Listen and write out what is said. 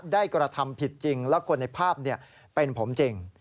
ได้กรธรรมผิดจริงและควรในภาพเป็นผมจริง